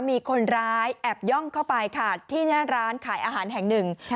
มีคนร้ายแอบย่องเข้าไปค่ะที่หน้าร้านขายอาหารแห่งหนึ่ง